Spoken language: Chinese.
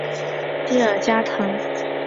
蒂尔加滕。